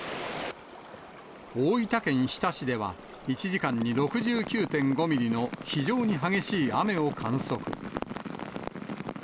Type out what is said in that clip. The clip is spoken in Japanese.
大分県日田市では、１時間に６９．５ミリの非常に激しい雨を観測。